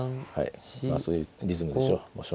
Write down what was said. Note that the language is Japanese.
まあそういうリズムでしょう。